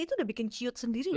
itu udah bikin ciut sendiri nggak